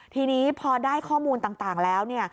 ทีนี้พอได้ข้อมูลต่างแล้วเนี่ย